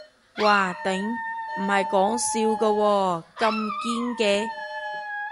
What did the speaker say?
嘩頂，唔係講笑㗎喎，咁堅嘅